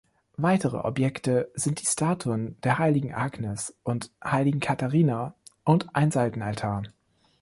Weitere Objekte sind die Statuen der "Heiligen Agnes" und "Heiligen Katharina" und ein Seitenaltar.